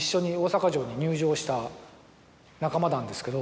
した仲間なんですけど。